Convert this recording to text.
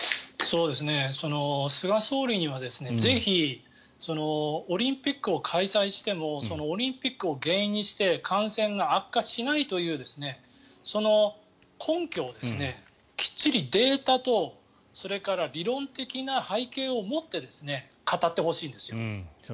菅総理にはぜひ、オリンピックを開催してもオリンピックを原因にして感染が悪化しないというその根拠をきっちりデータとそれから理論的な背景をもって語ってほしいんですよ。